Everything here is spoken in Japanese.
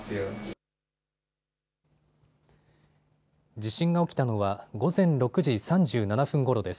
地震が起きたのは午前６時３７分ごろです。